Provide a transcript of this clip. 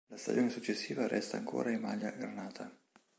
La stagione successiva resta ancora in maglia granata.